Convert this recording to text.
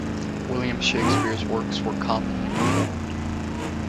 William Shakespeare's works were commonly performed.